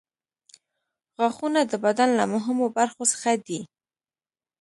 غاښونه د بدن له مهمو برخو څخه دي.